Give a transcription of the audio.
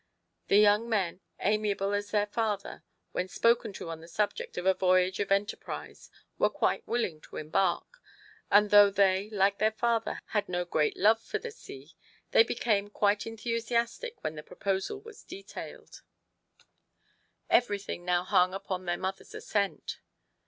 The young men, amiable as their father, when spoken to on the subject of a voyage of enter prise, were quite willing to embark ; and though they, like their father, had no great love for the sea, they became quite enthusiastic when the proposal was detailed. TO PLEASE HIS WIFE. 131 Everything now hung upon their mother's assent.